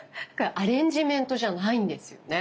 アレンジメントじゃないんですよね。